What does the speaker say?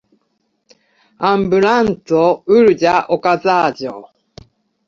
Ambulanco: Urĝa okazaĵo.